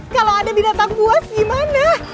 kalau ada binatang buas gimana